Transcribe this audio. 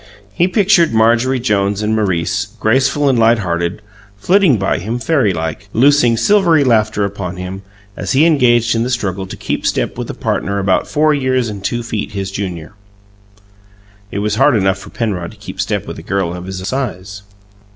He pictured Marjorie Jones and Maurice, graceful and light hearted, flitting by him fairylike, loosing silvery laughter upon him as he engaged in the struggle to keep step with a partner about four years and two feet his junior. It was hard enough for Penrod to keep step with a girl of his size.